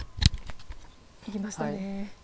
いきましたね。